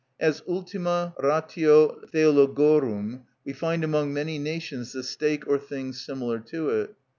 As ultima ratio theologorum, we find among many nations the stake or things similar to it.